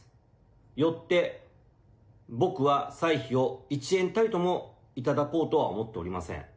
よって僕は歳費を一円たりとも頂こうとは思っておりません。